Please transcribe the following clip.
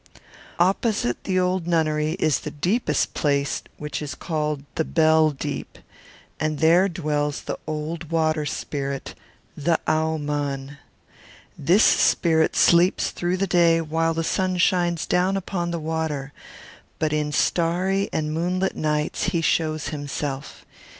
Opposite the old nunnery is the deepest place, which is called the "bell deep," and there dwells the old water spirit, the "Au mann." This spirit sleeps through the day while the sun shines down upon the water; but in starry and moonlit nights he shows himself.